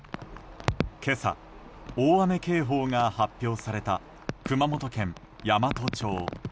今朝、大雨警報が発表された熊本県山都町。